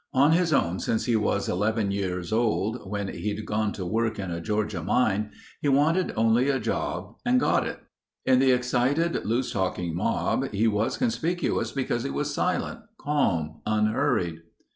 On his own since he was 11 years old, when he'd gone to work in a Georgia mine, he wanted only a job and got it. In the excited, loose talking mob he was conspicuous because he was silent, calm, unhurried.